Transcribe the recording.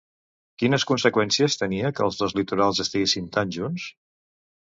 Quines conseqüències tenia que els dos litorals estiguessin tan junts?